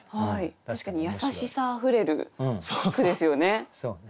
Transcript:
確かに優しさあふれる句ですよね。